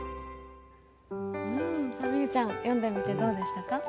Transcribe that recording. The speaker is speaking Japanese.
美羽ちゃん読んでみてどうでしたか？